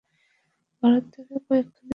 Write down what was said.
ভারত থেকে কয়েকখানি বই আসবার কথা, হয়তো এসে গেছে।